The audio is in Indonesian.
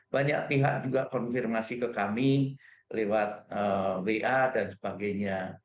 banyak pihak juga konfirmasi ke kami lewat wa dan sebagainya